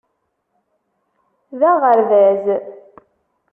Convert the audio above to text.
D aɣerbaz.